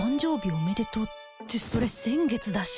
おめでとうってそれ先月だし